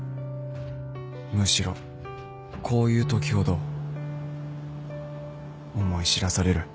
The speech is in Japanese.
むしろこういうときほど思い知らされる